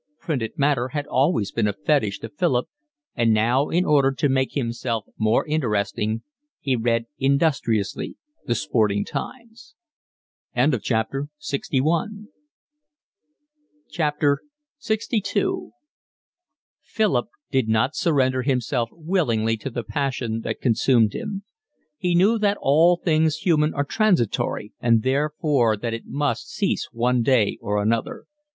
Printed matter had always been a fetish to Philip, and now, in order to make himself more interesting, he read industriously The Sporting Times. LXII Philip did not surrender himself willingly to the passion that consumed him. He knew that all things human are transitory and therefore that it must cease one day or another.